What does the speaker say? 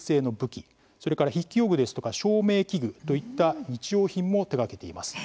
それから筆記用具ですとか照明器具といった日用品も手がけています。